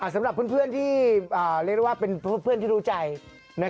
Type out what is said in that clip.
สำหรับเพื่อนที่เรียกได้ว่าเป็นเพื่อนที่รู้ใจ